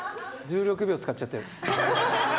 １６秒使っちゃったよ。